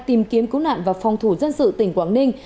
tìm kiếm cứu nạn và phòng thủ dân sự tỉnh quảng ninh